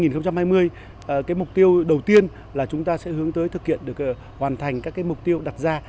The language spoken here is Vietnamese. năm hai nghìn hai mươi mục tiêu đầu tiên là chúng ta sẽ hướng tới thực hiện được hoàn thành các mục tiêu đặt ra